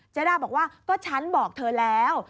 ด้าบอกว่าก็ฉันบอกเธอแล้ว